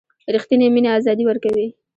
ریښتینې مینه آزادي ورکوي.